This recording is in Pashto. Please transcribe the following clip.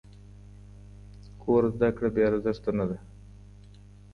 کور زده کړه بې ارزښته نه ده.